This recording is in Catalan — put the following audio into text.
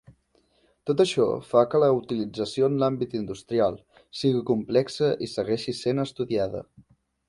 Tot això fa que la utilització en l'àmbit industrial sigui complexa i segueixi sent estudiada.